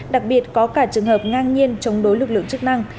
đặc biệt có cả trường hợp ngang nhiên chống đối lực lượng chức năng